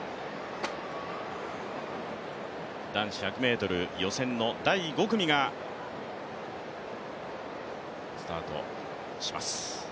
男子１００ｍ予選の第５組がスタートします。